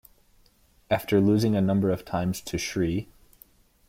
After losing a number of times to Shri.